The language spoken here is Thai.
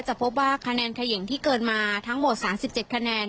จะพบว่าคะแนนเขย่งที่เกินมาทั้งหมด๓๗คะแนน